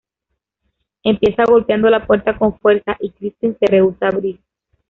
Empieza golpeando la puerta con fuerza y Kristen se rehúsa a abrir.